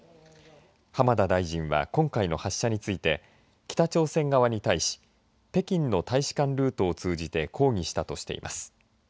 浜田大臣は今回の発射について北朝鮮側に対し北京の大使館ルートを通じて抗議したとしています。